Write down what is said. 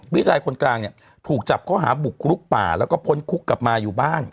พี่ชายคนกลางเนี่ยถูกจับข้อหาบุกรุกป่าแล้วก็พ้นคุกกลับมาอยู่บ้าน